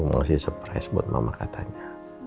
mau ngasih surprise buat mama katanya